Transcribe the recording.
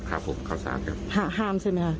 ครับผมเข้าสารครับห้ามใช่ไหมคะ